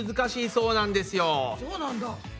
そうなんだ。